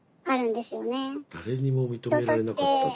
誰にも認められなかったというと？